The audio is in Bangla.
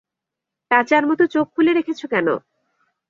পেঁচার মতো চোখ খুলে রেখেছ কেনো।